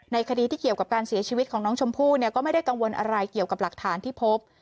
คดีที่เกี่ยวกับการเสียชีวิตของน้องชมพู่เนี่ยก็ไม่ได้กังวลอะไรเกี่ยวกับหลักฐานที่พบ